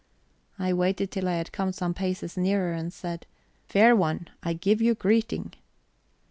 I waited till I had come some paces nearer, and said: "Fair one, I give you greeting."